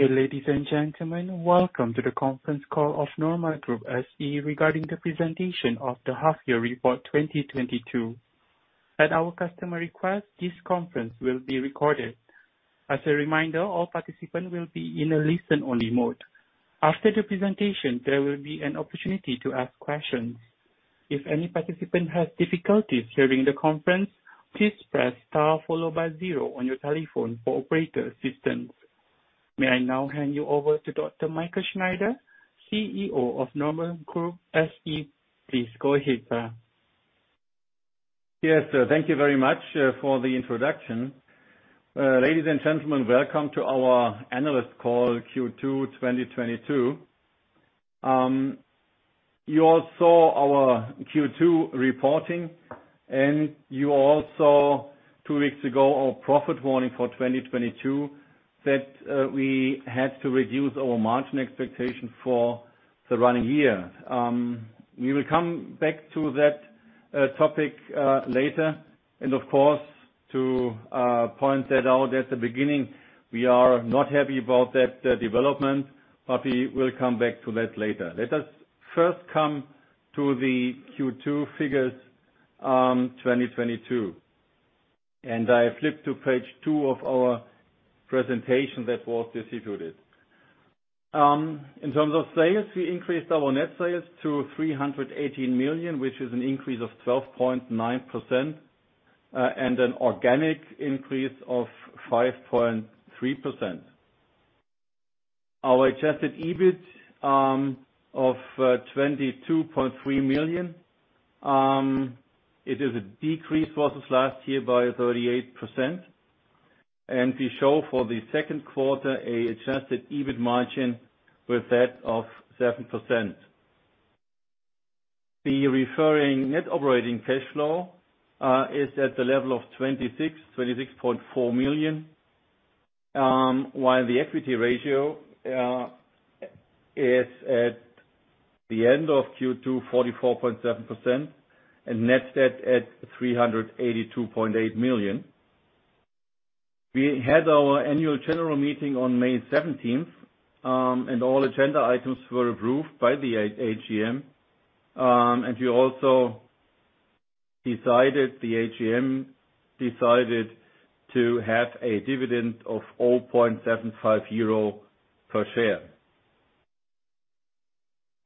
Ladies and gentlemen, welcome to the conference call of Norma Group SE regarding the presentation of the half-year report 2022. At our customer request, this conference will be recorded. As a reminder, all participants will be in a listen-only mode. After the presentation, there will be an opportunity to ask questions. If any participant has difficulties during the conference, please press star followed by zero on your telephone for operator assistance. May I now hand you over to Dr. Michael Schneider, CEO of Norma Group SE. Please go ahead, sir. Yes. Thank you very much for the introduction. Ladies and gentlemen, welcome to our analyst call, Q2 2022. You all saw our Q2 reporting, and you all saw two weeks ago our profit warning for 2022 that we had to reduce our margin expectation for the running year. We will come back to that topic later and of course, to point that out at the beginning, we are not happy about that development, but we will come back to that later. Let us first come to the Q2 figures, 2022. I flip to Page 2 of our presentation that was distributed. In terms of sales, we increased our net sales to 318 million, which is an increase of 12.9%, and an organic increase of 5.3%. Our Adjusted EBIT of 22.3 million, it is a decrease versus last year by 38%. We show for the second quarter an Adjusted EBIT margin with that of 7%. The resulting net operating cash flow is at the level of 26.4 million, while the equity ratio is at the end of Q2 44.7% and net debt at 382.8 million. We had our annual general meeting on May 17th, and all agenda items were approved by the AGM, and the AGM decided to have a dividend of 0.75 euro per share.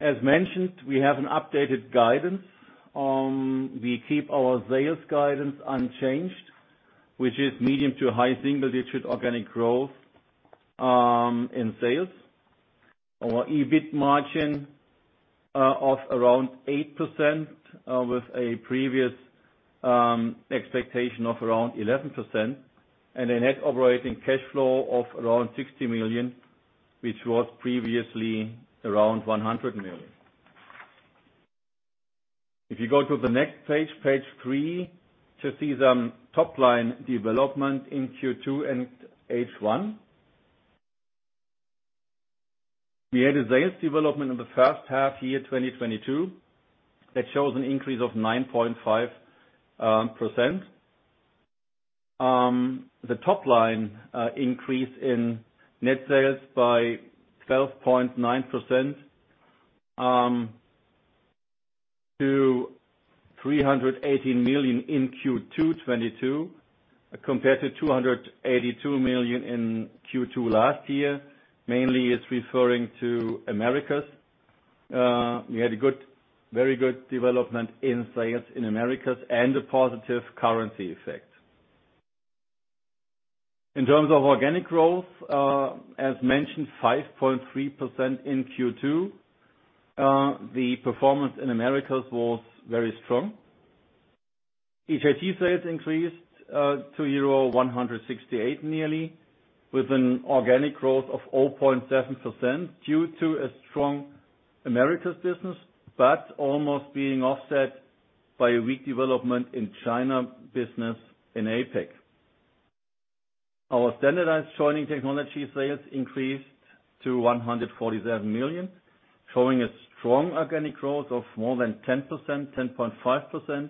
As mentioned, we have an updated guidance. We keep our sales guidance unchanged, which is medium to high single digits organic growth in sales. Our EBIT margin of around 8%, with a previous expectation of around 11%, and a net operating cash flow of around 60 million, which was previously around 100 million. If you go to the next Page 3, to see some top-line development in Q2 and H1. We had a sales development in the first half year, 2022, that shows an increase of 9.5%. The top line increase in net sales by 12.9% to 318 million in Q2 2022, compared to 282 million in Q2 last year, mainly is referring to Americas. We had a very good development in sales in Americas and a positive currency effect. In terms of organic growth, as mentioned, 5.3% in Q2. The performance in Americas was very strong. EJT sales increased to nearly EUR 168 million, with an organic growth of 0.7% due to a strong Americas business, but almost being offset by a weak development in China business in APAC. Our Standardized Joining Technology sales increased to 147 million, showing a strong organic growth of more than 10%, 10.5%,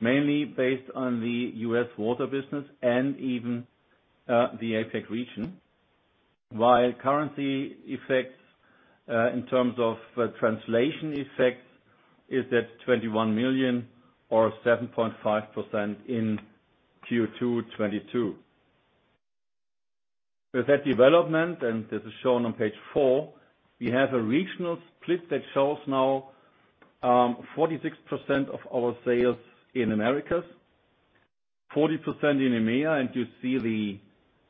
mainly based on the U.S. water business and even the APAC region. While currency effects in terms of translation effects is at $21 million or 7.5% in Q2 2022. With that development, and this is shown on Page 4, we have a regional split that shows now 46% of our sales in Americas, 40% in EMEA. You see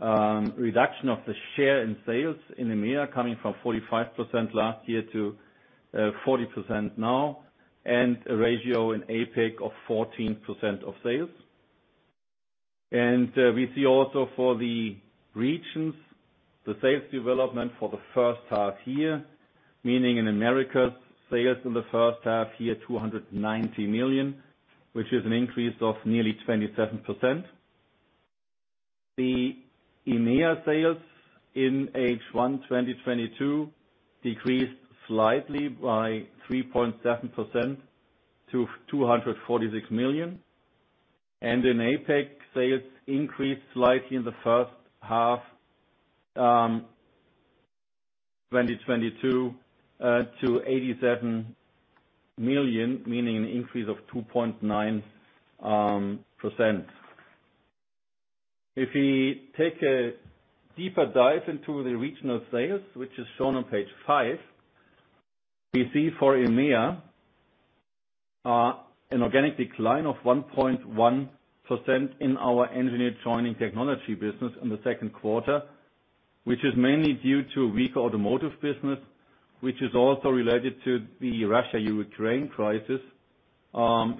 the reduction of the share in sales in EMEA coming from 45% last year to 40% now, and a ratio in APAC of 14% of sales. We see also for the regions the sales development for the first half year, meaning in Americas, sales in the first half year, 290 million, which is an increase of nearly 27%. The EMEA sales in H1 2022 decreased slightly by 3.7% to 246 million. In APAC, sales increased slightly in the first half, 2022, to 87 million, meaning an increase of 2.9%. If we take a deeper dive into the regional sales, which is shown on Page 5, we see for EMEA an organic decline of 1.1% in our Engineered Joining Technology business in the second quarter, which is mainly due to a weaker automotive business, which is also related to the Russia-Ukraine crisis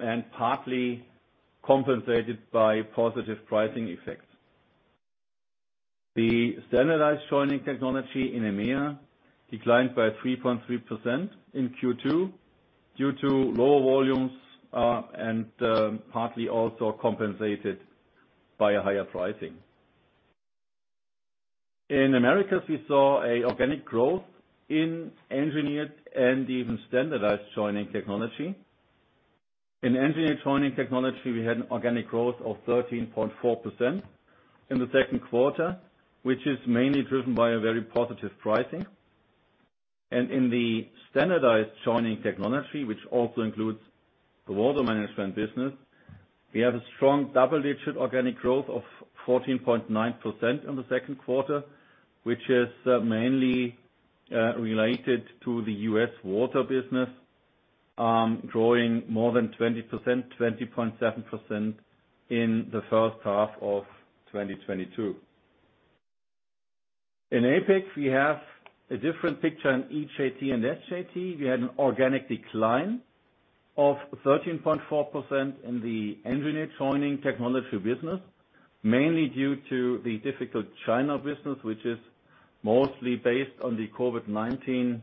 and partly compensated by positive pricing effects. The Standardized Joining Technology in EMEA declined by 3.3% in Q2 due to lower volumes and partly also compensated by a higher pricing. In Americas, we saw an organic growth in Engineered and even Standardized Joining Technology. In Engineered Joining Technology, we had an organic growth of 13.4% in the second quarter, which is mainly driven by a very positive pricing. In the Standardized Joining Technology, which also includes the Water Management business, we have a strong double-digit organic growth of 14.9% in the second quarter, which is mainly related to the U.S. water business growing more than 20%, 20.7% in the first half of 2022. In APAC, we have a different picture in EJT and SJT. We had an organic decline of 13.4% in the Engineered Joining Technology business, mainly due to the difficult China business, which is mostly based on the COVID-19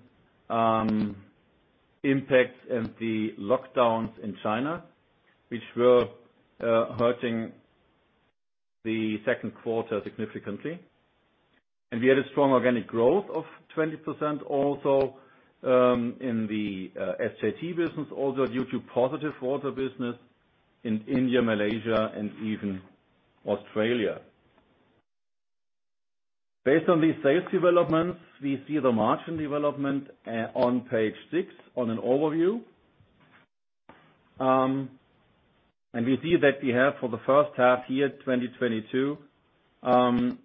impact and the lockdowns in China, which were hurting the second quarter significantly. We had a strong organic growth of 20% also in the SJT business, also due to positive water business in India, Malaysia, and even Australia. Based on these sales developments, we see the margin development on page six on an overview. We see that we have for the first half year 2022 an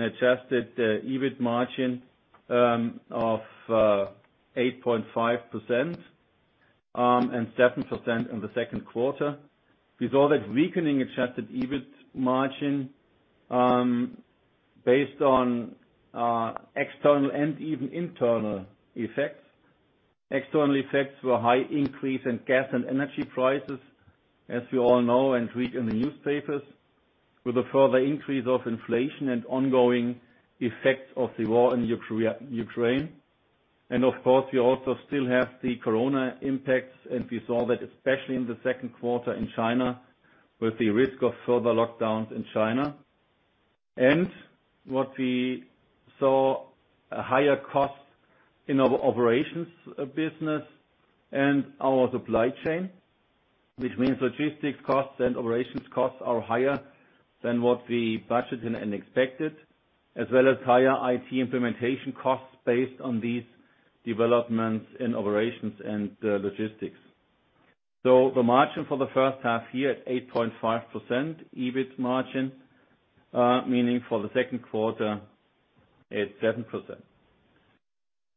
Adjusted EBIT margin of 8.5% and 7% in the second quarter. We saw that weakening Adjusted EBIT margin based on external and even internal effects. External effects were high increase in gas and energy prices, as you all know and read in the newspapers, with a further increase of inflation and ongoing effects of the war in Ukraine. Of course, we also still have the corona impacts, and we saw that especially in the second quarter in China with the risk of further lockdowns in China. What we saw a higher cost in our operations, business and our supply chain, which means logistics costs and operations costs are higher than what we budgeted and expected, as well as higher IT implementation costs based on these developments in operations and logistics. The margin for the first half year at 8.5% EBIT margin, meaning for the second quarter at 7%.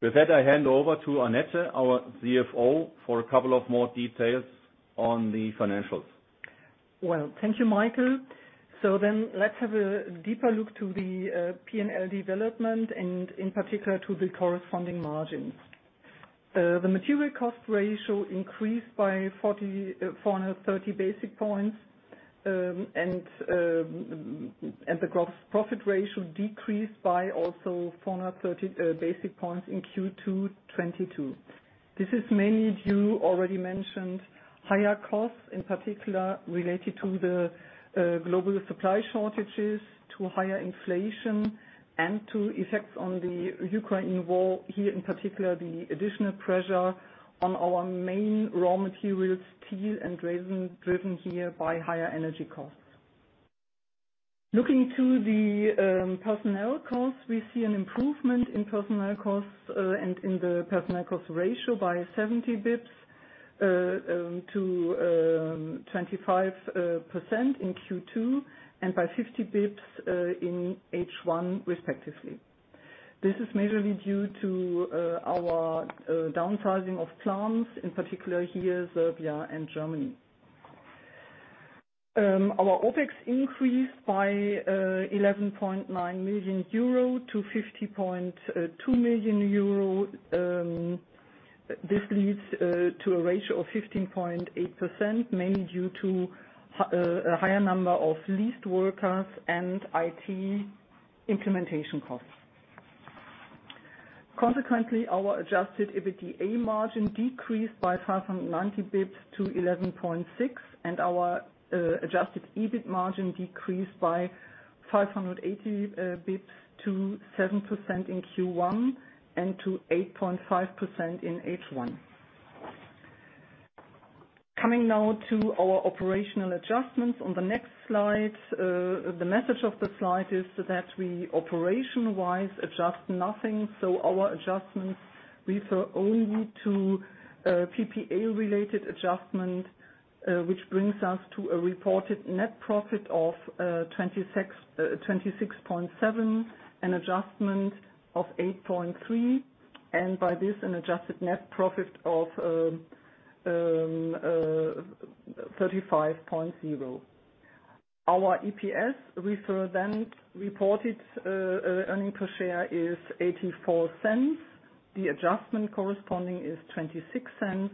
With that, I hand over to Annette, our CFO, for a couple of more details on the financials. Well, thank you, Michael. Let's have a deeper look at the P&L development and in particular to the corresponding margins. The material cost ratio increased by 430 basis points, and the gross profit ratio decreased by also 430 basis points in Q2 2022. This is mainly due to already mentioned higher costs, in particular related to the global supply shortages, to higher inflation and to effects of the Ukraine war, here in particular, the additional pressure on our main raw materials, steel and resin, driven here by higher energy costs. Looking at the personnel costs, we see an improvement in personnel costs and in the personnel cost ratio by 70 basis points to 25% in Q2, and by 50 basis points in H1 respectively. This is majorly due to our downsizing of plants, in particular here, Serbia and Germany. Our OpEx increased by 11.9 million euro to 50.2 million euro. This leads to a ratio of 15.8%, mainly due to a higher number of leased workers and IT implementation costs. Consequently, our Adjusted EBITDA margin decreased by 590 basis points to 11.6%, and our Adjusted EBIT margin decreased by 580 basis points to 7% in Q1 and to 8.5% in H1. Coming now to our operational adjustments on the next slide. The message of the slide is that we operation-wise adjust nothing, so our adjustments refer only to PPA related adjustment, which brings us to a reported net profit of 26.7 million, an adjustment of 8.3 million, and by this, an adjusted net profit of 35.0. Our reported earnings per share is 0.84. The corresponding adjustment is 0.26,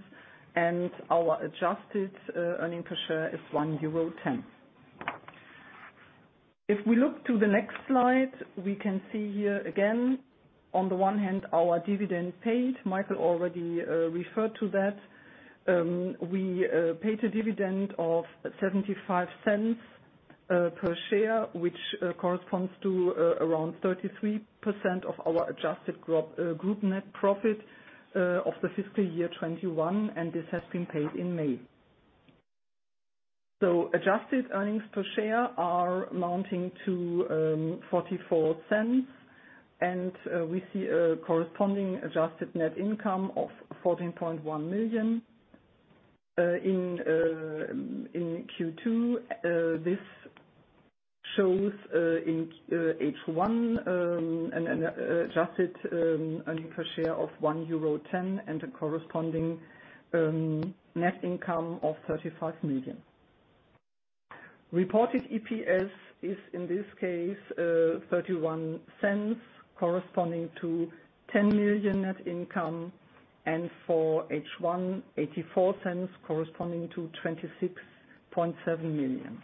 and our adjusted earnings per share is 1.10 euro. If we look to the next slide, we can see here again, on the one hand, our dividend paid, Michael already referred to that. We paid a dividend of 0.75 per share, which corresponds to around 33% of our adjusted group net profit of the fiscal year 2021, and this has been paid in May. Adjusted earnings per share are amounting to 0.44 and we see a corresponding adjusted net income of 14.1 million in Q2. This shows in H1 an adjusted earnings per share of 1.10 euro and a corresponding net income of 35 million. Reported EPS is in this case 0.31 corresponding to 10 million net income and for H1 0.84 corresponding to EUR 26.7 million.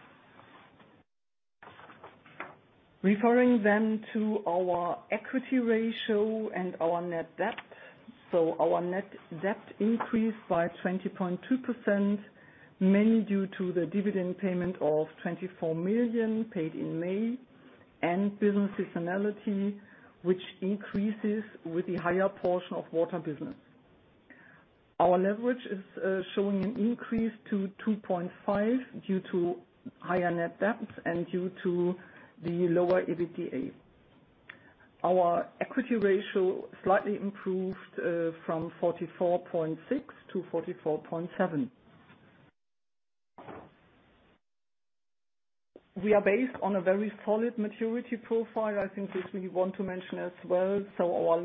Referring to our equity ratio and our net debt. Our net debt increased by 20.2% mainly due to the dividend payment of 24 million paid in May and business seasonality, which increases with the higher portion of water business. Our leverage is showing an increase to 2.5% due to higher net debt and due to the lower EBITDA. Our equity ratio slightly improved from 44.6% to 44.7%. We are based on a very solid maturity profile. I think this we want to mention as well. Our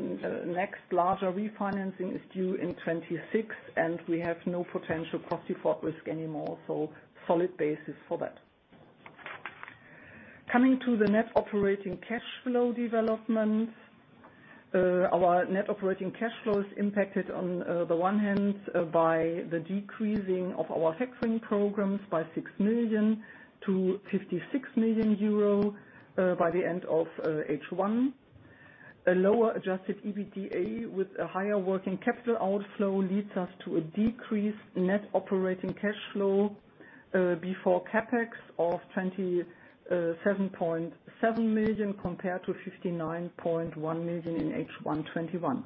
next larger refinancing is due in 2026 and we have no potential cross default risk anymore, so solid basis for that. Coming to the net operating cash flow development. Our net operating cash flow is impacted, on the one hand, by the decreasing of our hedging programs by 6 million to 56 million euro by the end of H1. A lower Adjusted EBITDA with a higher working capital outflow leads us to a decreased net operating cash flow before CapEx of 27.7 million compared to 59.1 million in H1 2021.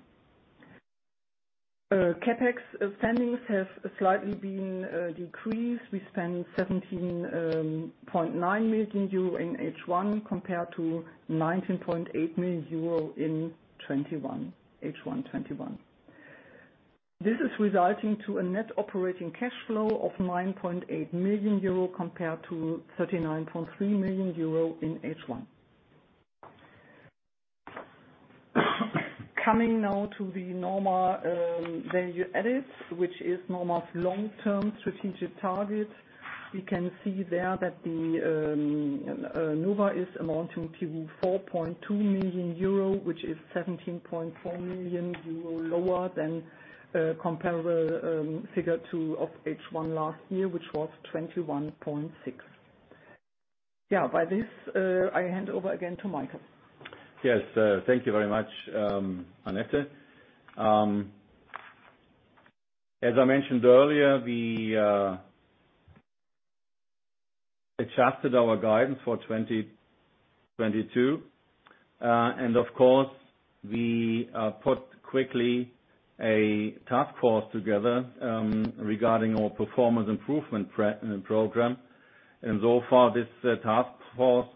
CapEx spendings have slightly been decreased. We spent 17.9 million euro in H1 compared to 19.8 million euro in H1 2021. This is resulting to a net operating cash flow of 9.8 million euro compared to 39.3 million euro in H1. Coming now to the NORMA Value Added, which is NORMA's long-term strategic target. We can see there that the NOVA is amounting to 4.2 million euro, which is 17.4 million euro lower than the comparable figure for H1 last year, which was 21.6 million. Yeah. By this, I hand over again to Michael. Yes, thank you very much, Annette. As I mentioned earlier, we adjusted our guidance for 2022. Of course, we put quickly a task force together regarding our performance improvement program. So far this task force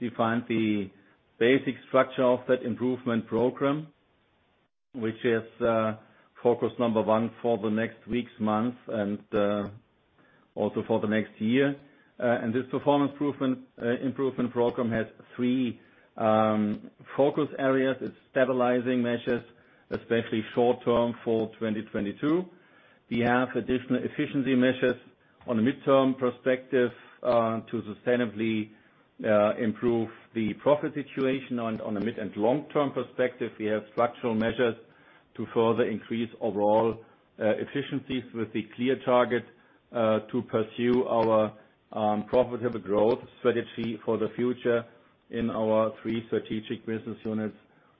defined the basic structure of that improvement program, which is focus number one for the next weeks, months, and also for the next year. This performance improving improvement program has three focus areas. It's stabilizing measures, especially short term for 2022. We have additional efficiency measures on a midterm perspective to sustainably improve the profit situation. On a mid- and long-term perspective, we have structural measures to further increase overall efficiencies with the clear target to pursue our profitable growth strategy for the future in our three strategic business units,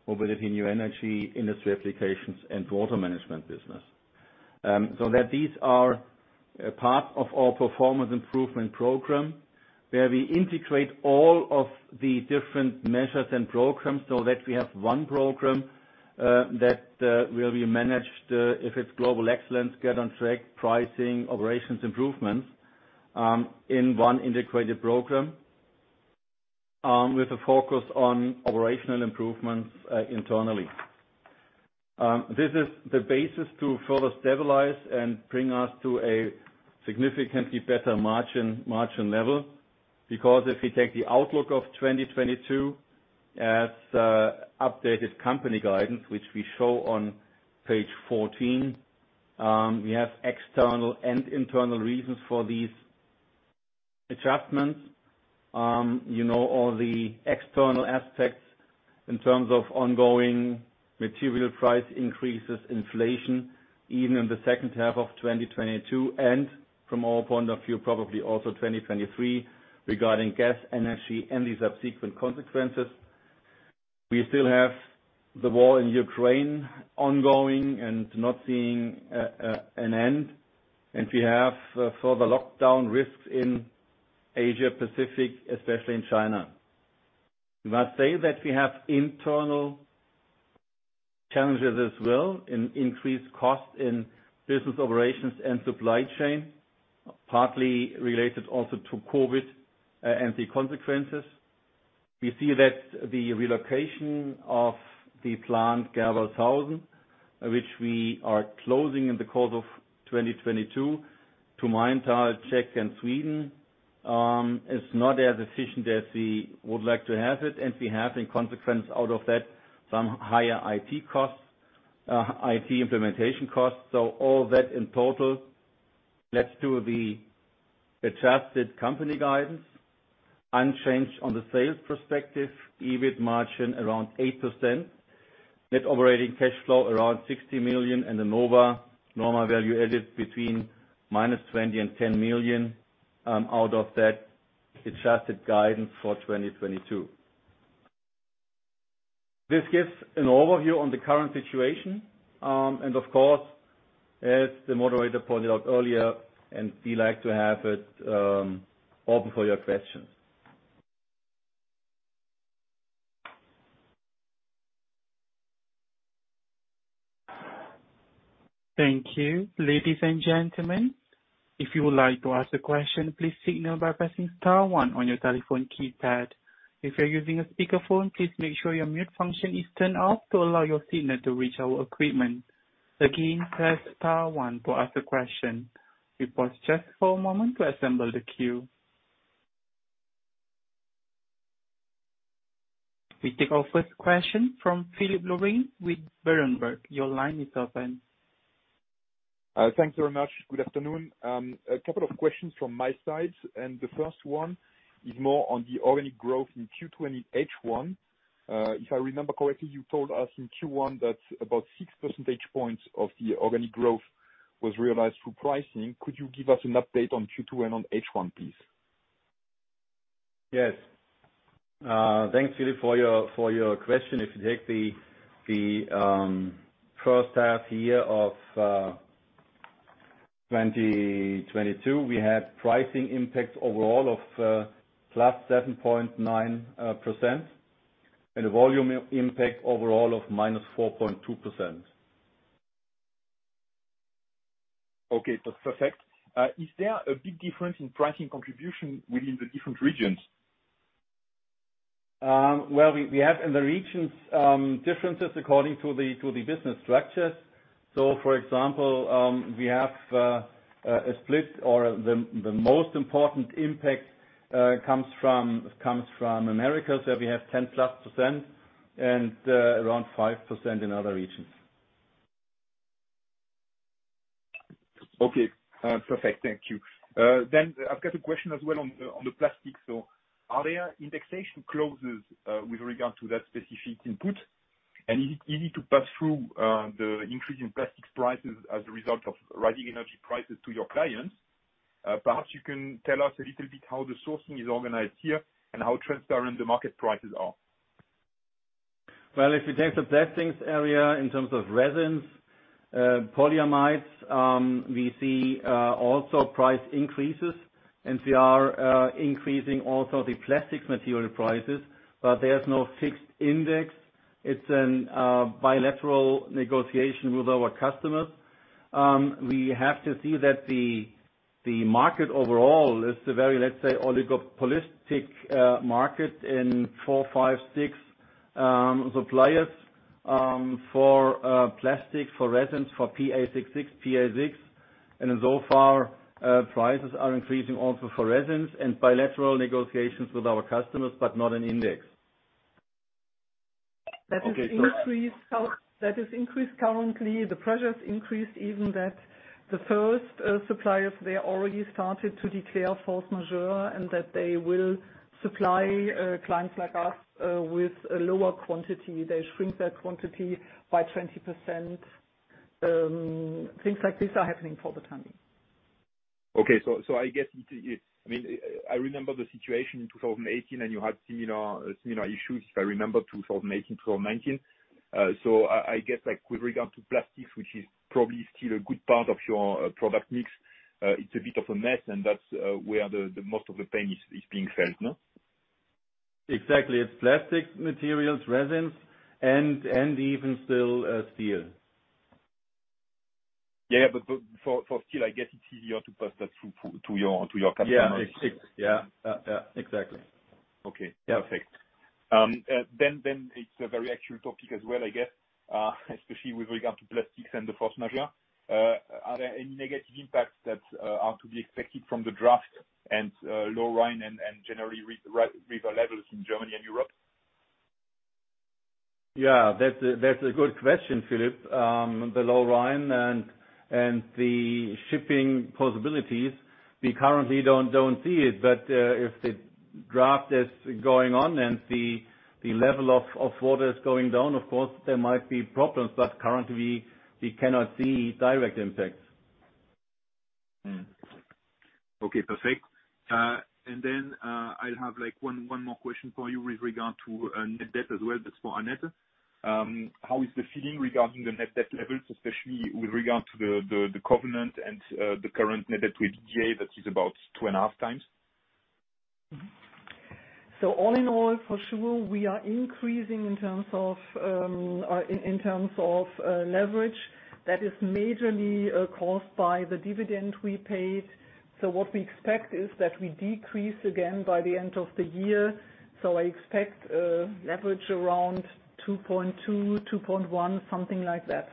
Mobility & New Energy, Industry Applications, and Water Management business. These are a part of our performance improvement program, where we integrate all of the different measures and programs so that we have one program that will be managed, if it's global excellence, Get on track, pricing, operations improvements, in one integrated program, with a focus on operational improvements internally. This is the basis to further stabilize and bring us to a significantly better margin level. Because if we take the outlook of 2022 as updated company guidance, which we show on Page 14, we have external and internal reasons for these adjustments. You know, all the external aspects in terms of ongoing material price increases, inflation, even in the second half of 2022, and from our point of view, probably also 2023, regarding gas, energy, and the subsequent consequences. We still have the war in Ukraine ongoing and not seeing an end, and we have further lockdown risks in Asia Pacific, especially in China. We must say that we have internal challenges as well, in increased costs in business operations and supply chain, partly related also to COVID, and the consequences. We see that the relocation of the plant Gerbershausen, which we are closing in the course of 2022 to Maintal, Czech, and Sweden, is not as efficient as we would like to have it. We have, in consequence out of that, some higher IT costs, IT implementation costs. All that in total leads to the adjusted company guidance unchanged on the sales perspective, EBIT margin around 8%, net operating cash flow around 60 million, and the NOVA, NORMA Value Added between -20 and 10 million, out of that adjusted guidance for 2022. This gives an overview on the current situation, and of course, as the moderator pointed out earlier, we like to have it open for your questions. Thank you. Ladies and gentlemen, if you would like to ask a question, please signal by pressing star one on your telephone keypad. If you're using a speakerphone, please make sure your mute function is turned off to allow your signal to reach our equipment. Again, press star one to ask a question. We pause just for a moment to assemble the queue. We take our first question from Philipp Loehrhoff with Berenberg. Your line is open. Thanks very much. Good afternoon. A couple of questions from my side, and the first one is more on the organic growth in Q2 H1. If I remember correctly, you told us in Q1 that about 6 percentage points of the organic growth was realized through pricing. Could you give us an update on Q2 and on H1, please? Yes. Thanks, Philipp, for your question. If you take the first half year of 2022, we had pricing impacts overall of +7.9% and a volume impact overall of -4.2%. Okay. That's perfect. Is there a big difference in pricing contribution within the different regions? Well, we have in the regions differences according to the business structures. For example, we have a split or the most important impact comes from Americas, where we have 10%+ and around 5% in other regions. Okay. Perfect. Thank you. Then I've got a question as well on the plastics. Are there indexation clauses with regard to that specific input? Is it easy to pass through the increase in plastics prices as a result of rising energy prices to your clients? Perhaps you can tell us a little bit how the sourcing is organized here and how transparent the market prices are. Well, if you take the plastics area in terms of resins, polyamides, we see also price increases. We are increasing also the plastics material prices, but there's no fixed index. It's a bilateral negotiation with our customers. We have to see that the market overall is a very, let's say, oligopolistic market in four, five, six suppliers for plastic, for resins, for PA66, PA6. Insofar, prices are increasing also for resins and bilateral negotiations with our customers, but not an index. Okay. That is increased currently. The pressure is increased even that the first suppliers, they already started to declare force majeure and that they will supply clients like us with a lower quantity. They shrink that quantity by 20%. Things like this are happening for the time being. Okay. I mean, I remember the situation in 2018, and you had similar issues, if I remember, 2018, 2019. I guess, like with regard to plastics, which is probably still a good part of your product mix, it's a bit of a mess, and that's where the most of the pain is being felt, no? Exactly. It's plastic materials, resins, and even still, steel. Yeah, for steel, I guess it's easier to pass that through to your customers. Yeah, yeah. Yeah, exactly. Okay. Yeah. Perfect. It's a very actual topic as well, I guess, especially with regard to plastics and the force majeure. Are there any negative impacts that are to be expected from the drought and low rain and generally river levels in Germany and Europe? Yeah. That's a good question, Philipp. The low rain and the shipping possibilities, we currently don't see it. If the draft is going on and the level of water is going down, of course there might be problems. Currently we cannot see direct impacts. Okay, perfect. I'll have like one more question for you with regard to net debt as well. That's for Annette. How is the feeling regarding the net debt levels, especially with regard to the covenant and the current net debt to EBITDA that is about 2.5x? All in all, for sure we are increasing in terms of leverage. That is majorly caused by the dividend we paid. What we expect is that we decrease again by the end of the year. I expect leverage around 2.2, 2.1, something like that.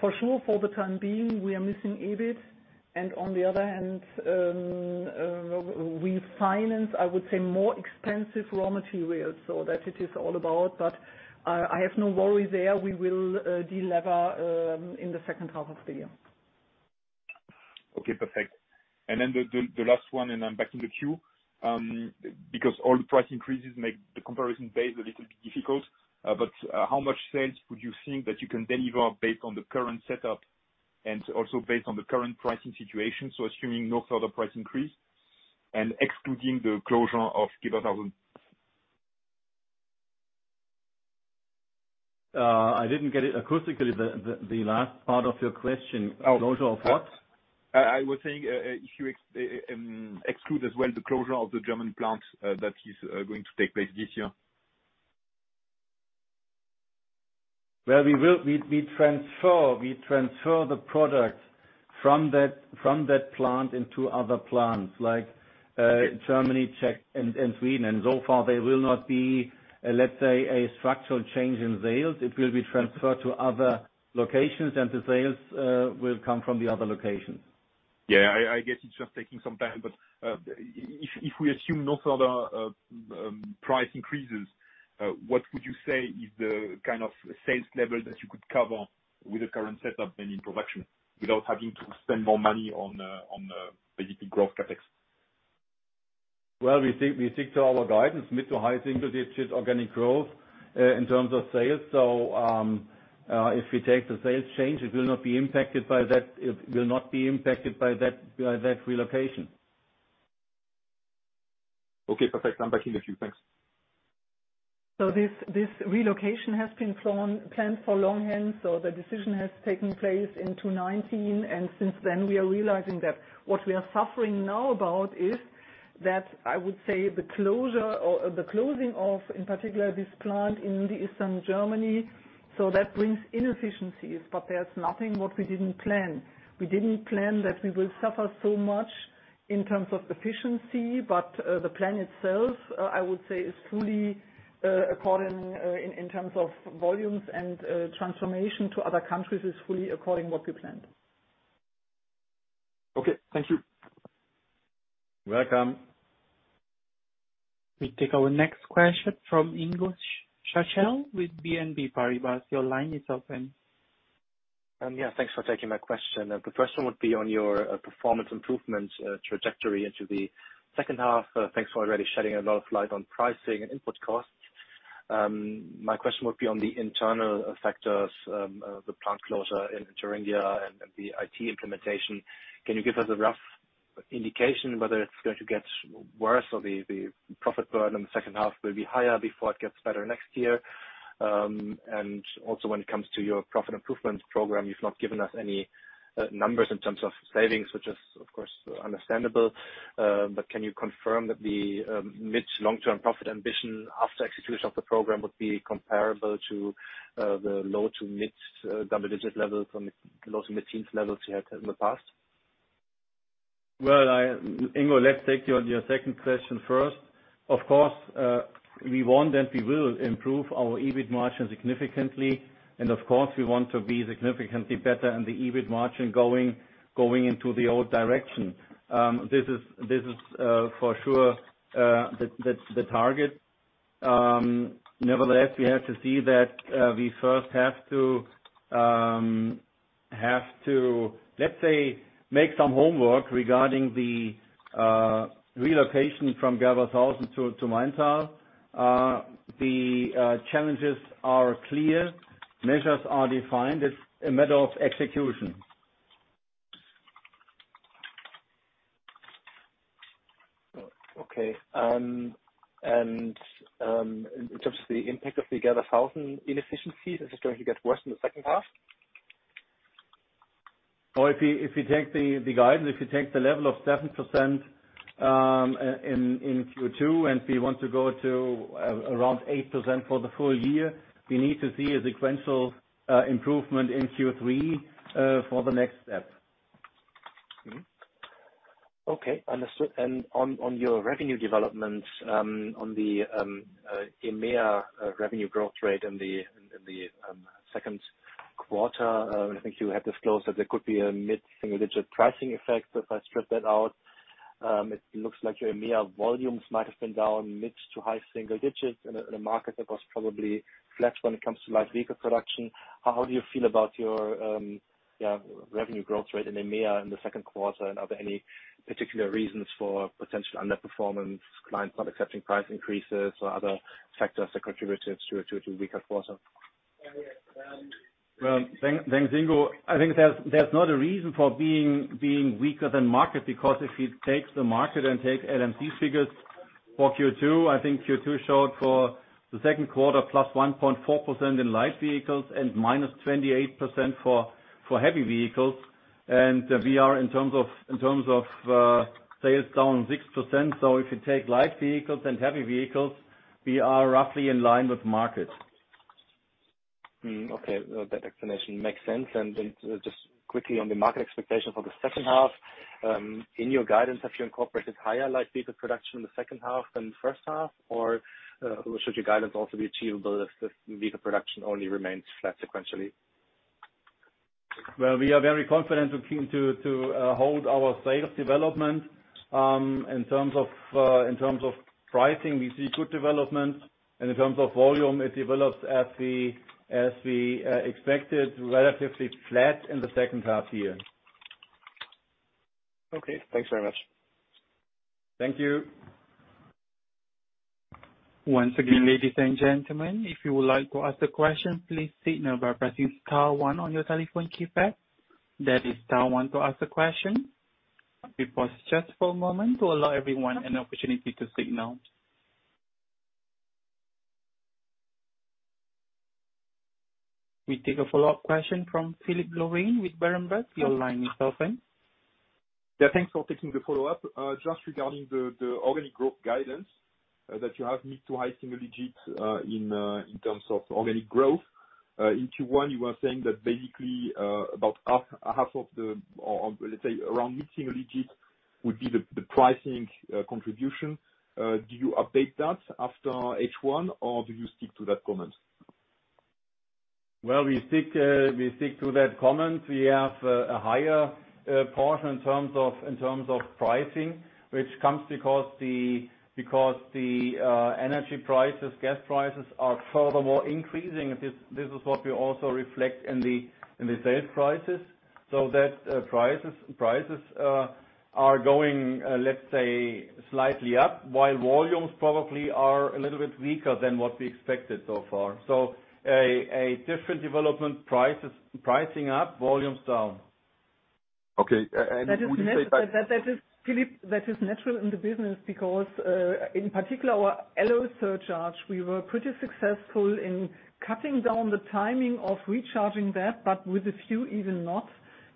For sure, for the time being, we are missing EBIT. On the other hand, we finance, I would say, more expensive raw materials, so that it is all about. I have no worry there. We will de-lever in the second half of the year. Okay, perfect. The last one, and I'm back in the queue. Because all the price increases make the comparison base a little bit difficult. How much sales would you think that you can deliver based on the current setup and also based on the current pricing situation, so assuming no further price increase and excluding the closure of Gerbershausen? I didn't get it acoustically, the last part of your question. Oh. Closure of what? I was saying, if you exclude as well the closure of the German plant, that is going to take place this year. Well, we transfer the product from that plant into other plants, like, in Germany, Czech, and Sweden. So far there will not be, let's say, a structural change in sales. It will be transferred to other locations and the sales will come from the other locations. Yeah, I get it's just taking some time. If we assume no further price increases, what would you say is the kind of sales level that you could cover with the current setup and in production without having to spend more money on basically growth CapEx? Well, we stick to our guidance, mid- to high-single-digit organic growth in terms of sales. If we take the sales change, it will not be impacted by that. It will not be impacted by that relocation. Okay, perfect. I'm back in the queue. Thanks. This relocation has been planned for long. Hence the decision has taken place in 2019, and since then we are realizing that what we are suffering now about is that, I would say, the closure or the closing of, in particular, this plant in Eastern Germany, that brings inefficiencies. There's nothing what we didn't plan. We didn't plan that we will suffer so much in terms of efficiency. The plan itself, I would say, is fully according in terms of volumes and transformation to other countries, is fully according what we planned. Okay. Thank you. Welcome. We take our next question from Ingo-Martin Schachel with BNP Paribas. Your line is open. Yeah, thanks for taking my question. The first one would be on your performance improvement trajectory into the second half. Thanks for already shedding a lot of light on pricing and input costs. My question would be on the internal factors, the plant closure in Thuringia and the IT implementation. Can you give us a rough indication whether it's going to get worse or the profit burden in the second half will be higher before it gets better next year? Also when it comes to your profit improvement program, you've not given us any numbers in terms of savings, which is of course understandable. Can you confirm that the mid to long-term profit ambition after execution of the program would be comparable to the low to mid double-digit levels on the low to mid-teens levels you had in the past? Well, Ingo-Martin Schachel, let's take you on your second question first. Of course, we want and we will improve our EBIT margin significantly. Of course we want to be significantly better in the EBIT margin going into the right direction. This is for sure the target. Nevertheless, we have to see that we first have to, let's say, make some homework regarding the relocation from Gerbershausen to Maintal. The challenges are clear. Measures are defined. It's a matter of execution. Okay, in terms of the impact of the Get on track inefficiencies, is it going to get worse in the second half? If you take the guidance, if you take the level of 7% in Q2, and we want to go to around 8% for the full year, we need to see a sequential improvement in Q3 for the next step. Mm-hmm. Okay. Understood. On your revenue developments on the EMEA revenue growth rate in the second quarter, I think you had disclosed that there could be a mid-single-digit pricing effect. If I strip that out, it looks like your EMEA volumes might have been down mid- to high-single digits in a market that was probably flat when it comes to light vehicle production. How do you feel about your revenue growth rate in EMEA in the second quarter? Are there any particular reasons for potential underperformance, clients not accepting price increases or other factors that contributed to a weaker quarter? Well, thanks, Ingo. I think there's not a reason for being weaker than market because if you take the market and take LMC figures for Q2, I think Q2 showed for the second quarter, +1.4% in light vehicles and -28% for heavy vehicles. We are in terms of sales down 6%. If you take light vehicles and heavy vehicles, we are roughly in line with market. Okay. Well, that explanation makes sense. Just quickly on the market expectation for the second half, in your guidance, have you incorporated higher light vehicle production in the second half than the first half? Or, should your guidance also be achievable if the vehicle production only remains flat sequentially? Well, we are very confident and keen to hold our sales development. In terms of pricing, we see good development. In terms of volume, it develops as we expected, relatively flat in the second half year. Okay. Thanks very much. Thank you. Once again, ladies and gentlemen, if you would like to ask a question, please signal by pressing star one on your telephone keypad. That is star one to ask a question. We pause just for a moment to allow everyone an opportunity to signal. We take a follow-up question from Philipp Loehrhoff with Berenberg. Your line is open. Yeah, thanks for taking the follow-up. Just regarding the organic growth guidance that you have mid- to high-single-digit in terms of organic growth. In Q1, you were saying that basically about half of the, or let's say around mid-single-digit would be the pricing contribution. Do you update that after H1 or do you stick to that comment? Well, we stick to that comment. We have a higher portion in terms of pricing, which comes because the energy prices, gas prices are furthermore increasing. This is what we also reflect in the sales prices. That prices are going, let's say, slightly up, while volumes probably are a little bit weaker than what we expected so far. A different development, prices pricing up, volumes down. Okay. Would you say that? That is, Philipp, that is natural in the business because in particular our alloy surcharge, we were pretty successful in cutting down the timing of recharging that, but with a few even not,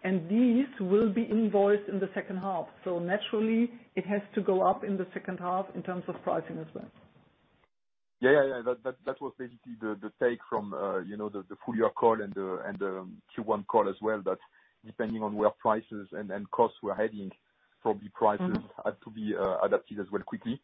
and these will be invoiced in the second half. Naturally it has to go up in the second half in terms of pricing as well. Yeah, that was basically the take from, you know, the full year call and the Q1 call as well, that depending on where prices and costs were heading, probably prices. Mm-hmm. Had to be adapted as well quickly.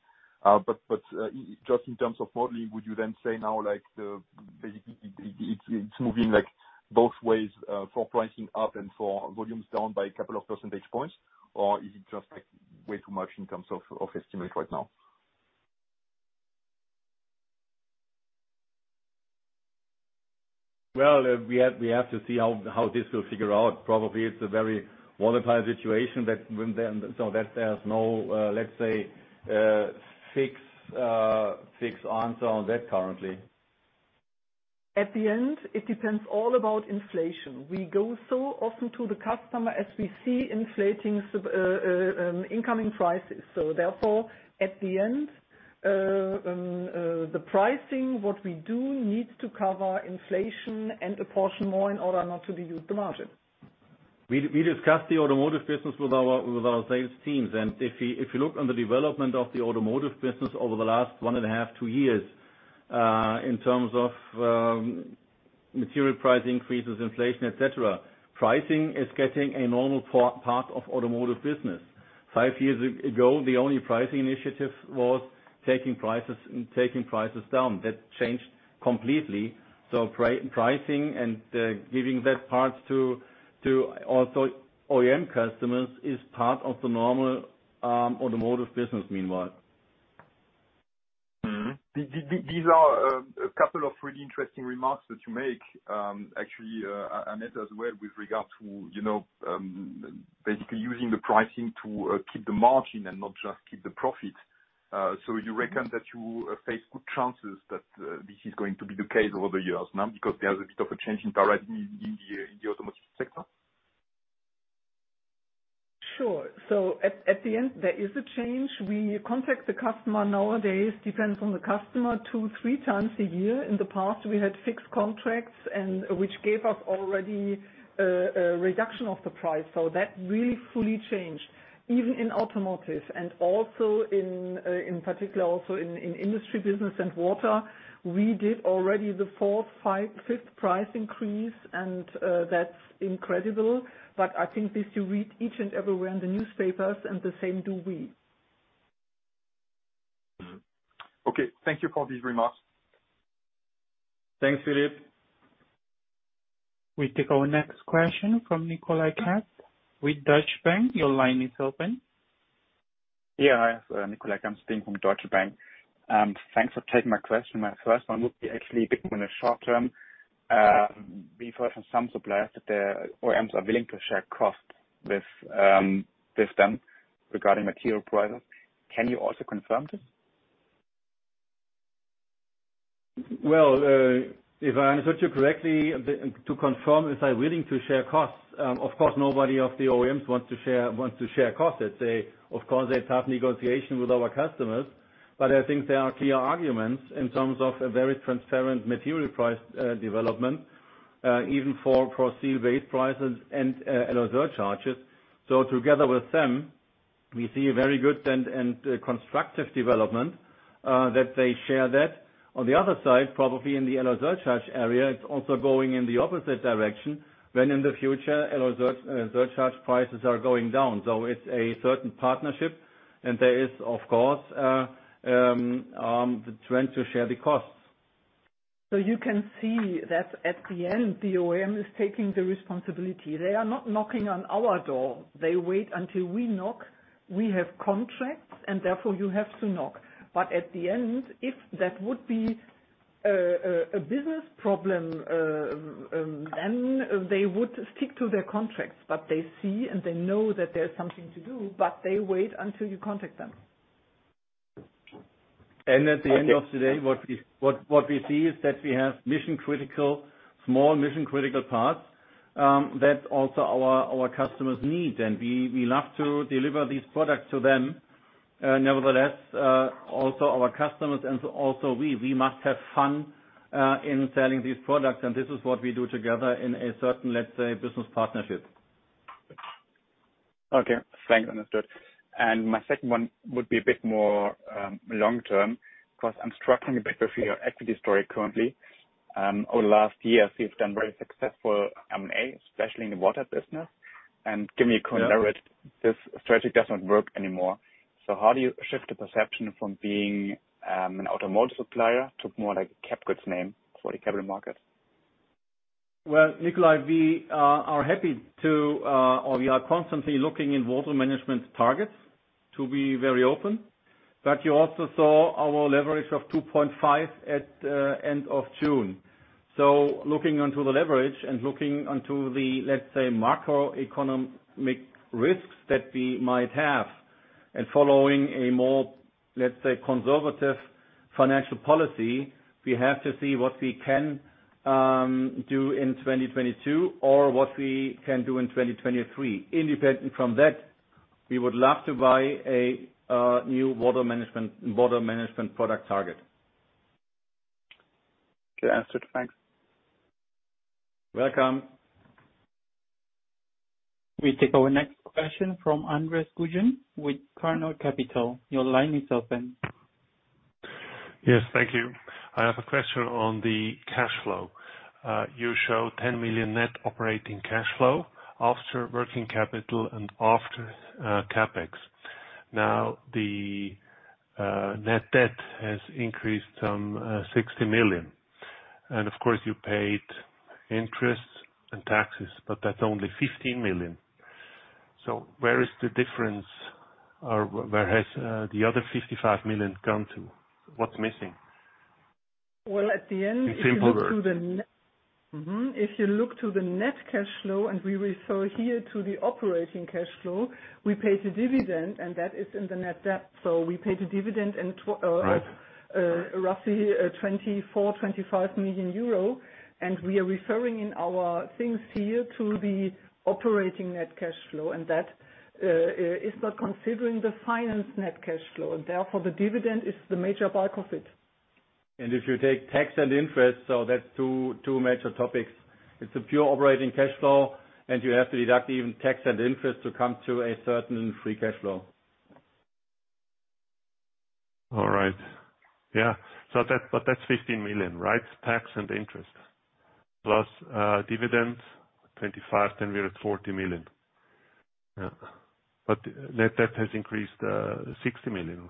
Just in terms of modeling, would you then say now, like the EBIT's, it's moving like both ways for pricing up and for volumes down by a couple of percentage points? Or is it just like way too much in terms of estimate right now? Well, we have to see how this will figure out. Probably it's a very volatile situation that there's no, let's say, fixed answer on that currently. At the end, it all depends on inflation. We go so often to the customer as we see inflation's up, incoming prices. At the end, the pricing what we do needs to cover inflation and a portion more in order not to dilute the margin. We discussed the automotive business with our sales teams. If you look on the development of the automotive business over the last 1.5-2 years, in terms of material price increases, inflation, et cetera, pricing is getting a normal part of automotive business. Five years ago, the only pricing initiative was taking prices down. That changed completely. Pricing and giving that part to also OEM customers is part of the normal automotive business meanwhile. Mm-hmm. These are a couple of really interesting remarks that you make, actually, Annette as well with regard to, you know, basically using the pricing to keep the margin and not just keep the profit. Would you reckon that you face good chances that this is going to be the case over the years now because there's a bit of a change in paradigm in the automotive sector? Sure. At the end, there is a change. We contact the customer nowadays, depends on the customer, two, three times a year. In the past, we had fixed contracts and which gave us already a reduction of the price. That really fully changed. Even in automotive and also in particular, also in industry business and water, we did already the fourth, fifth price increase, and that's incredible. I think this you read each and everywhere in the newspapers, and the same do we. Okay, thank you for these remarks. Thanks, Philipp. We take our next question from Nicolai Kempf with Deutsche Bank. Your line is open. Yeah, Nicolai Kempf speaking from Deutsche Bank. Thanks for taking my question. My first one would be actually a bit more in the short term. We've heard from some suppliers that their OEMs are willing to share costs with them regarding material prices. Can you also confirm this? Well, if I understood you correctly, to confirm, if they're willing to share costs. Of course, nobody of the OEMs want to share costs. Let's say, of course, they have negotiation with our customers. I think there are clear arguments in terms of a very transparent material price development, even for steel-based prices and alloy surcharges. Together with them, we see a very good and constructive development that they share that. On the other side, probably in the alloy surcharge area, it's also going in the opposite direction when in the future alloy surcharge prices are going down. It's a certain partnership, and there is, of course, the trend to share the costs. You can see that at the end, the OEM is taking the responsibility. They are not knocking on our door. They wait until we knock. We have contracts, and therefore, you have to knock. At the end, if that would be a business problem, then they would stick to their contracts. They see and they know that there's something to do, but they wait until you contact them. At the end of the day, what we see is that we have mission-critical, small mission-critical parts that also our customers need. We love to deliver these products to them. Nevertheless, also our customers and also we must have fun in selling these products. This is what we do together in a certain, let's say, business partnership. Okay. Thanks. Understood. My second one would be a bit more long term, 'cause I'm struggling a bit with your equity story currently. Over the last year, you've done very successful M&A, especially in the water business. Give me a call whether this strategy doesn't work anymore. How do you shift the perception from being an automotive supplier to more like a CapEx name for the capital market? Well, Nicolai, we are constantly looking in Water Management targets to be very open. You also saw our leverage of 2.5 at end of June. Looking onto the leverage and looking onto the, let's say, macroeconomic risks that we might have and following a more, let's say, conservative financial policy, we have to see what we can do in 2022 or what we can do in 2023. Independent from that, we would love to buy a new Water Management product target. Good answer. Thanks. Welcome. We take our next question from Andres Gujan with Carnot Capital. Your line is open. Yes. Thank you. I have a question on the cash flow. You show 10 million net operating cash flow after working capital and after CapEx. Now, the net debt has increased some 60 million. And of course, you paid interest and taxes, but that's only 15 million. Where is the difference or where has the other 55 million gone to? What's missing? Well, at the end, if you look to the. In simple words. If you look to the net cash flow, and we refer here to the operating cash flow, we paid a dividend, and that is in the net debt. We paid a dividend Right. Roughly 24 million-25 million euro. We are referring in our things here to the net operating cash flow, and that is not considering the finance net cash flow. Therefore, the dividend is the major bulk of it. If you take tax and interest, so that's two major topics. It's a pure operating cash flow, and you have to deduct even tax and interest to come to a certain free cash flow. All right. Yeah. That's 15 million, right? Tax and interest. Plus dividend, 25 million, then we're at 40 million. Yeah. Net debt has increased 60 million.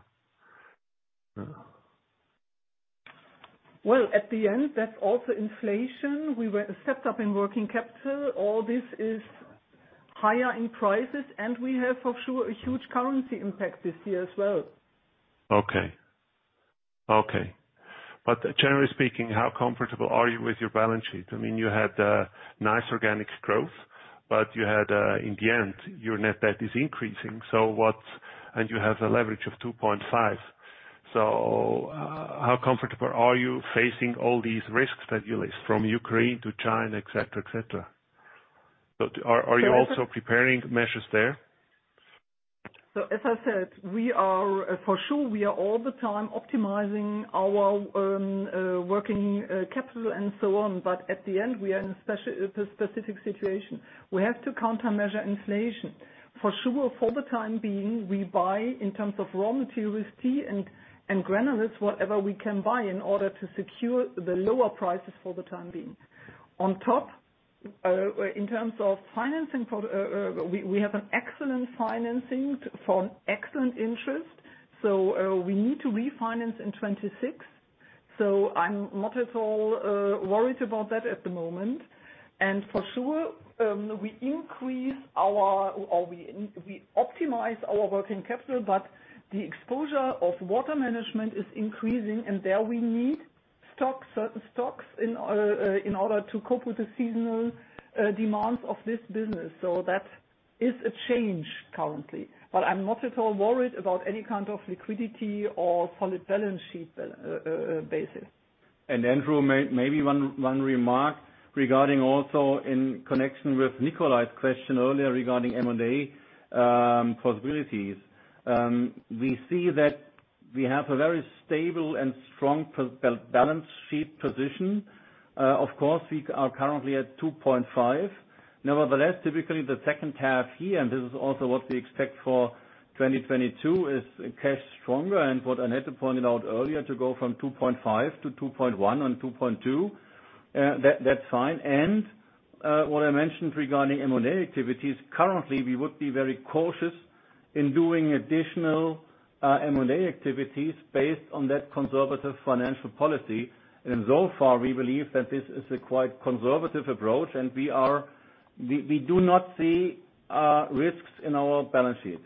Well, in the end, that's also inflation. We stepped up in working capital. All this is higher prices, and we have for sure a huge currency impact this year as well. Okay. Generally speaking, how comfortable are you with your balance sheet? I mean, you had nice organic growth, but you had, in the end, your net debt is increasing. You have a leverage of 2.5. How comfortable are you facing all these risks that you list from Ukraine to China, et cetera, et cetera? Are you also preparing measures there? As I said, we are for sure. We are all the time optimizing our working capital and so on. At the end, we are in a specific situation. We have to counteract inflation. For sure, for the time being, we buy in terms of raw materials, steel and granules, whatever we can buy in order to secure the lower prices for the time being. On top, in terms of financing, we have an excellent financing for an excellent interest. We need to refinance in 2026. I'm not at all worried about that at the moment. For sure, we increase our. We optimize our working capital, but the exposure of Water Management is increasing, and there we need stock, certain stocks in order to cope with the seasonal demands of this business. That is a change currently. I'm not at all worried about any kind of liquidity or solid balance sheet basis. Andrew, maybe one remark regarding also in connection with Nicolai's question earlier regarding M&A possibilities. We see that we have a very stable and strong balance sheet position. Of course, we are currently at 2.5. Nevertheless, typically the second half here, and this is also what we expect for 2022, is cash stronger. What Annette pointed out earlier, to go from 2.5 to 2.1 and 2.2, that's fine. What I mentioned regarding M&A activities, currently, we would be very cautious in doing additional M&A activities based on that conservative financial policy. So far, we believe that this is a quite conservative approach, and we do not see risks in our balance sheet.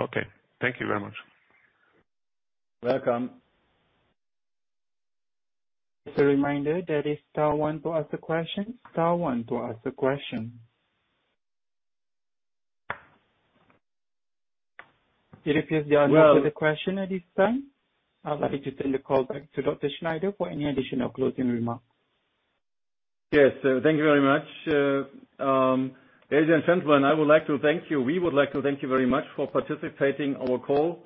Okay. Thank you very much. Welcome. As a reminder, that is star one to ask a question, star one to ask a question. It appears there are no further question at this time. I'd like to turn the call back to Dr. Schneider for any additional closing remarks. Yes. Thank you very much. Ladies and gentlemen, we would like to thank you very much for participating in our call.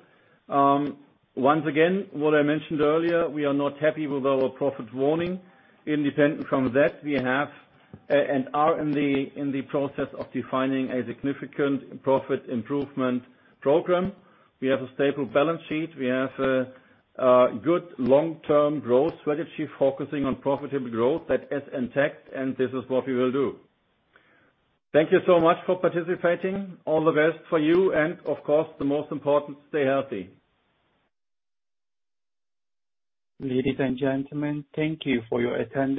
Once again, what I mentioned earlier, we are not happy with our profit warning. Independent from that, we have and are in the process of defining a significant profit improvement program. We have a stable balance sheet. We have a good long-term growth strategy focusing on profitable growth that is intact, and this is what we will do. Thank you so much for participating. All the best for you and of course, the most important, stay healthy. Ladies and gentlemen, thank you for your attendance.